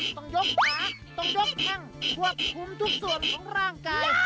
ต้องยกขาต้องยกแข้งควบคุมทุกส่วนของร่างกาย